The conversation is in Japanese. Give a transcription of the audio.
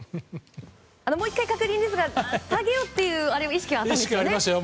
もう１回、確認ですが下げようという意識はあったんですよね。